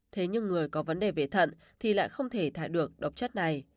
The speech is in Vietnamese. thế nhưng người có vấn đề về thận thì lại không thể thải được độc chất này